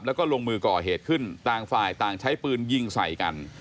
แล้วก็ลงมือก่อเหตุขึ้นต่างฝ่ายต่างใช้ปืนยิงใส่กัน